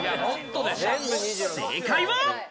正解は。